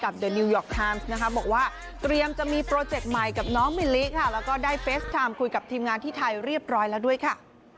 เดี๋ยวนิวยอร์กไทม์นะคะบอกว่าเตรียมจะมีโปรเจคใหม่กับน้องมิลลิค่ะแล้วก็ได้เฟสไทม์คุยกับทีมงานที่ไทยเรียบร้อยแล้วด้วยค่ะ